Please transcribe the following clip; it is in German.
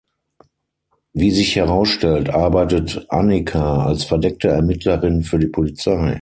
Wie sich herausstellt, arbeitet Anica als verdeckte Ermittlerin für die Polizei.